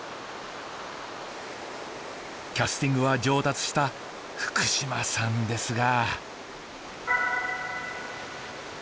キャスティングは上達した福島さんですが。